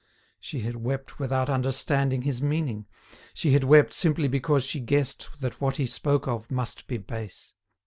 She had wept without understanding his meaning, she had wept simply because she guessed that what he spoke of must be base.